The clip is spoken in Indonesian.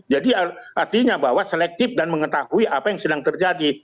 jadi artinya bahwa selektif dan mengetahui apa yang sedang terjadi